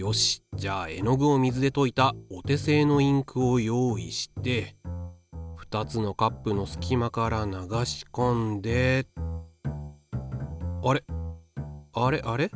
じゃあ絵の具を水でといたお手製のインクを用意して２つのカップのすき間から流しこんであれあれあれ？